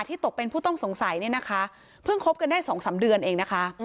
ตกเป็นผู้ต้องสงสัยเนี่ยนะคะเพิ่งคบกันได้สองสามเดือนเองนะคะ